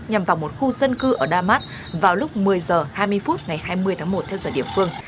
nhằm vào một khu dân cư ở damas vào lúc một mươi h hai mươi phút ngày hai mươi tháng một theo giờ địa phương